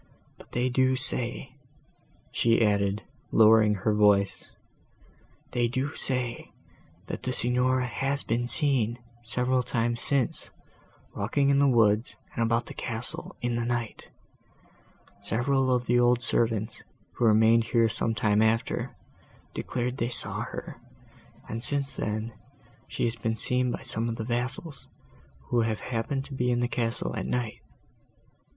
But they do say," she added, lowering her voice, "they do say, that the Signora has been seen, several times since, walking in the woods and about the castle in the night: several of the old servants, who remained here some time after, declare they saw her; and, since then, she has been seen by some of the vassals, who have happened to be in the castle, at night.